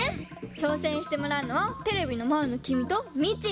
ちょうせんしてもらうのはテレビのまえのきみとミチ。